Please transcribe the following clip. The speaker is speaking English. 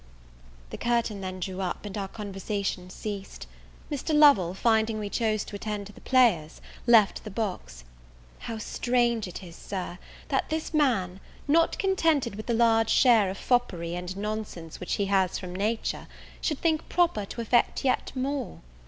The curtain then drew up, and our conversation ceased. Mr. Lovel, finding we chose to attend to the players, left the box. How strange it is, Sir, that this man, not contented with the large share of foppery and nonsense which he has from nature, should think proper to affect yet more!